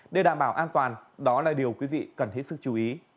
để đảm bảo an toàn đó là điều quý vị cần hết sức chú ý